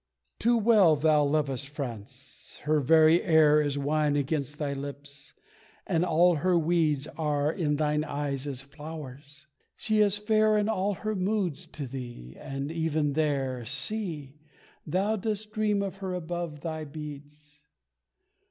"Too well thou lovest France her very air Is wine against thy lips and all her weeds Are in thine eyes as flowers. She is fair In all her moods to thee and even there, See! thou dost dream of her above thy beads.